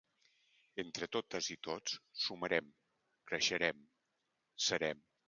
Entre totes i tots sumarem, creixerem, serem.